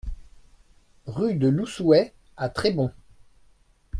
Rue de l'Oussouet à Trébons